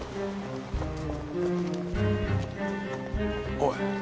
おい。